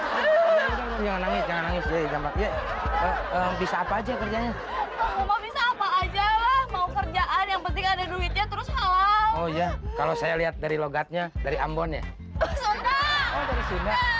oh mau kerjaan yang penting ada duitnya terus malah oh iya kalau saya lihat dari logatnya dari ambon ya